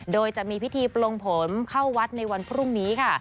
โดยจะมีพิธีปลงผมเข้าวัดในวันพรุ่งนี้ค่ะ